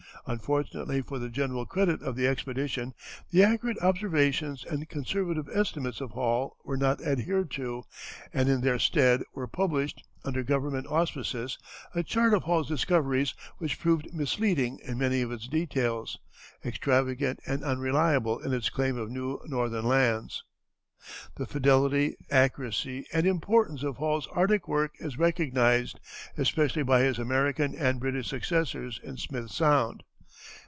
Unfortunately for the general credit of the expedition, the accurate observations and conservative estimates of Hall were not adhered to, and in their stead were published, under government auspices, a chart of Hall's discoveries which proved misleading in many of its details, extravagant and unreliable in its claims of new northern lands. The fidelity, accuracy, and importance of Hall's Arctic work is recognized, especially by his American and British successors in Smith Sound.